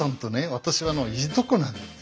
私はいとこなんですよ。